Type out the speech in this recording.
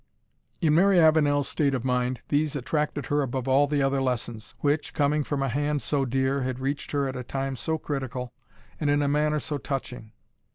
In Mary Avenel's state of mind, these attracted her above all the other lessons, which, coming from a hand so dear, had reached her at a time so critical, and in a manner so touching.